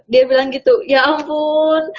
dia bilang gitu ya ampun